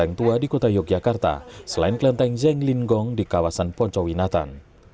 kelenteng tua di kota yogyakarta selain kelenteng zhenglingong di kawasan poncowinatan